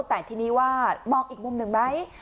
แต่ทีนี้ว่ามองอีกมุมหนึ่งไหม